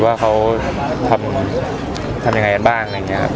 แล้วเขาทำยังไงบ้าง